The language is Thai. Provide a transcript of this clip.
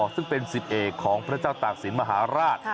ซึ่งเป็นสิทธิเอกของพระเจ้าตากศิลปมหาราช